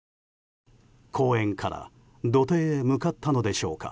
公園から土手へ向かったのでしょうか。